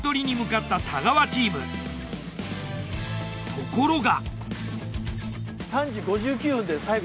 ところが。